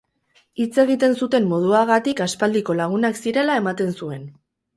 Hitz egiten zuten moduagatik aspaldiko lagunak zirela ematen zuen.